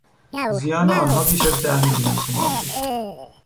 زیان آنها بیش از ده میلیون تومان بود.